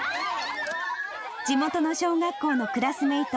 地元の小学校のクラスメート